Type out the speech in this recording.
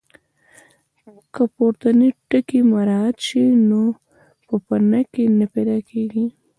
که پورتني ټکي مراعات شي نو پوپنکي نه پیدا کېږي.